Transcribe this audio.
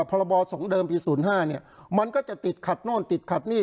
พศ๒๐๕เนี่ยมันก็จะติดขัดโน้นติดขัดนี่